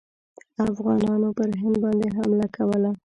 افغانانو پر هند باندي حمله کوله.